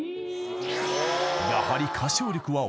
［やはり］